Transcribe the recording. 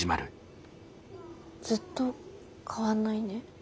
ずっと変わんないね。